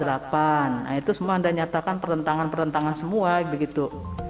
nah itu semua anda nyatakan pertentangan pertentangan semua begitu